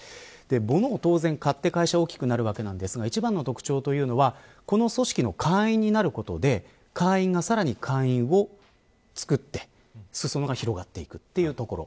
物を当然、買って会社が大きくなるわけなんですが一番の特徴はこの組織の会員になることで会員がさらに会員を作って裾野が広がっていくというところ。